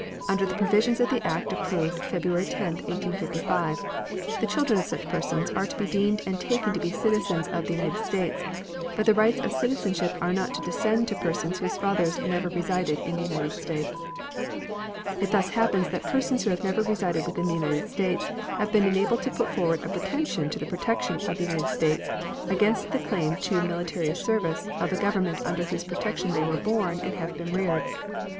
Under the provisions of the act approved February 10, 1855, the children of such persons are to be deemed and taken to be citizens of the United States, but the rights of citizenship are not to descend to persons whose fathers never resided in the United States. It thus happens that persons who have never resided within the United States have been enabled to put forward a pretension to the protection of the United States against the claim to military service of the government under whose protection they were born and have been reared.